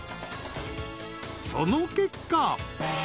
［その結果］